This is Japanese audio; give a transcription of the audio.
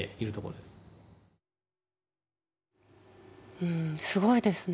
うんすごいですね。